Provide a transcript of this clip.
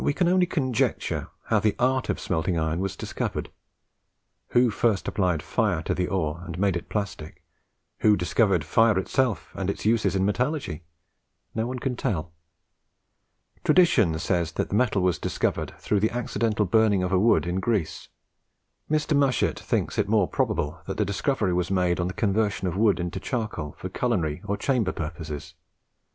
We can only conjecture how the art of smelting iron was discovered. Who first applied fire to the ore, and made it plastic; who discovered fire itself, and its uses in metallurgy? No one can tell. Tradition says that the metal was discovered through the accidental burning of a wood in Greece. Mr. Mushet thinks it more probable that the discovery was made on the conversion of wood into charcoal for culinary or chamber purposes.